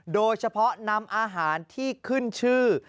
โดยเฉพาะนำอาหารที่ขึ้นชื่อ